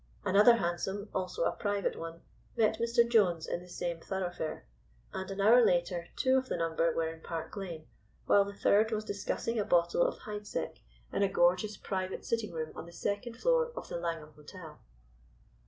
Another hansom, also a private one, met Mr. Jones in the same thoroughfare, and an hour later two of the number were in Park Lane, while the third was discussing a bottle of Heidseck in a gorgeous private sitting room on the second floor of the Langham Hotel.